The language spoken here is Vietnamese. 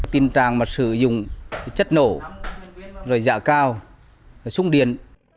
tình trạng mà sử dụng chất nổ rồi giả cao xung điện